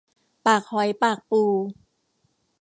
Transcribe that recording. ปากหอยปากปู